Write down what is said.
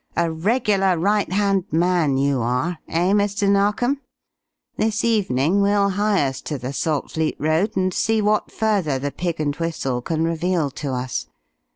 "A regular right hand man you are, eh, Mr. Narkom? This evening we'll hie us to the Saltfleet Road and see what further the 'Pig and Whistle' can reveal to us.